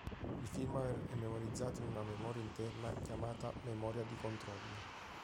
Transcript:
Il "firmware" è memorizzato in una memoria interna chiamata "memoria di controllo".